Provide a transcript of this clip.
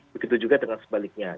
begitu juga dengan sebaliknya